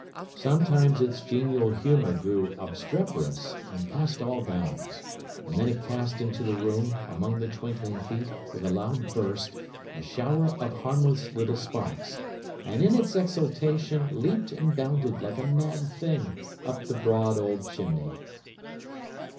Sometimes its genial humour grew obstreperous, and passed all bounds; and then it cast into the room, among the twinkling feet, with a loud burst, a shower of harmless little sparks, and in its exultation leaped and bounded, like a mad thing, up the broad old chimney.